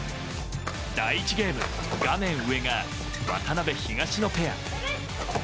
第１ゲーム画面上が渡辺、東野ペア。